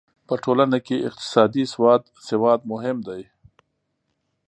په ټولنه کې اقتصادي سواد مهم دی.